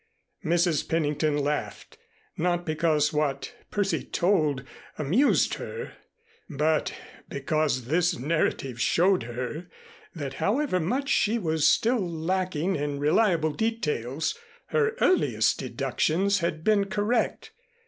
Mrs. Pennington laughed, not because what Percy told amused her, but because this narrative showed her that however much she was still lacking in reliable details, her earliest deductions had been correct.